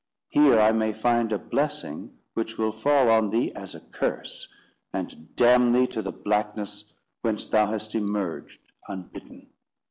Here I may find a blessing which will fall on thee as a curse, and damn thee to the blackness whence thou hast emerged unbidden."